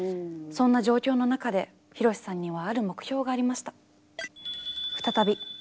そんな状況の中で博さんにはある目標がありました。